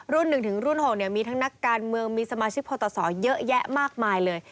๑ถึงรุ่น๖มีทั้งนักการเมืองมีสมาชิกพศเยอะแยะมากมายเลย